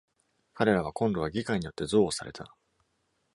彼らは今度は議会によって憎悪された。